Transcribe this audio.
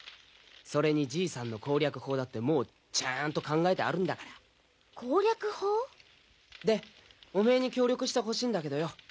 それに爺さんの攻略法だってもうちゃーんと考えてあるんだから攻略法？でおめーに協力して欲しいんだけどよ